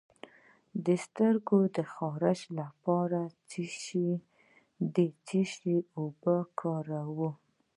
د سترګو د خارښ لپاره د څه شي اوبه وکاروم؟